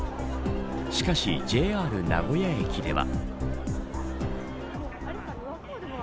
しかし、ＪＲ名古屋駅では。